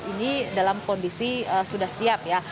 ini dalam kondisi sudah siap ya